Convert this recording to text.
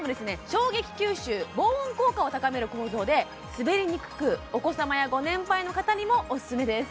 衝撃吸収防音効果を高める構造で滑りにくくお子様やご年配の方にもおすすめです